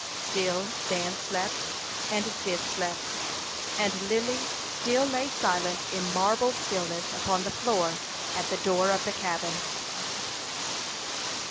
Still Dan slept, and Cyd slept, and Lily still lay silent in marble stillness upon the floor at the door of the cabin.